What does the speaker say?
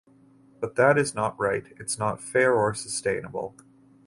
But that is not right. It’s not fair or sustainable.